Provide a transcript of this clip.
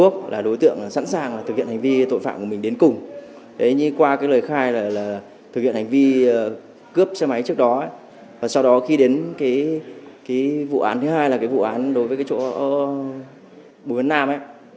cái vụ án thứ hai là cái vụ án đối với cái chỗ bùi văn nam ấy